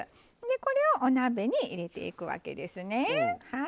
でこれをお鍋に入れていくわけですね。